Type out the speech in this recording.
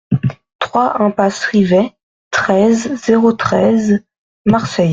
trois impasse Rivet, treize, zéro treize, Marseille